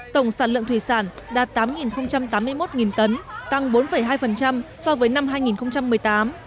tổng sản lượng thủy sản đạt tám tám mươi một tấn tăng bốn hai so với năm hai nghìn một mươi tám